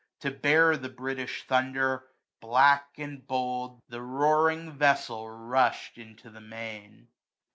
To bear the British Thunder, black, and bold,* The roaring vessel rush'd into the main.